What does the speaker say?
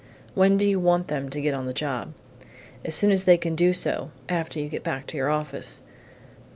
"When do you want them to get on the job?" "As soon as they can do so, after you get back to your office."